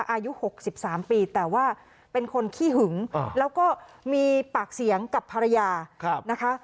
อายุ๖๓ปีแต่ว่าเป็นคนขี้หึงแล้วก็มีปากเสียงกับภรรยานะคะ